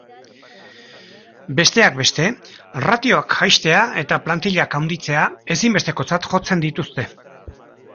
Besteak beste, ratioak jaistea eta plantillak handitzea ezinbestekotzat jotzen dituzte.